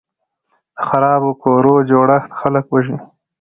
د خرابو کورو جوړښت خلک وژني.